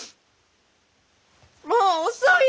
もう遅い。